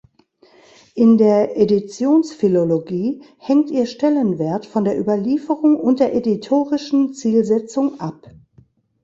In der Editionsphilologie hängt ihr Stellenwert von der Überlieferung und der editorischen Zielsetzung ab.